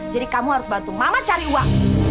jadi kamu harus bantu mama cari uang